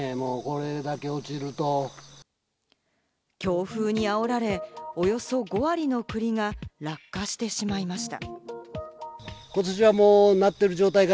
強風にあおられ、およそ５割の栗が落下してしまいました。